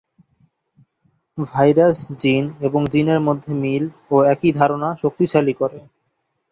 Virus, gene এবং জিনের মধ্যে মিল ও একই ধারণা শক্তিশালী করে।